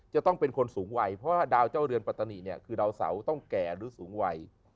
จะต้องเป็นคนสูงวัยเพราะว่าดาวเจ้าเรือนปัตตานีเนี่ยคือดาวเสาต้องแก่หรือสูงวัย